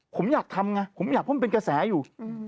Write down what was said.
ผมอยากทำไงผมอยากเพราะมันเป็นกระแสอยู่